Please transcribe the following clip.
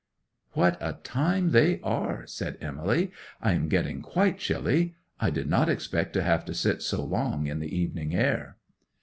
'"What a time they are!" said Emily. "I am getting quite chilly. I did not expect to have to sit so long in the evening air."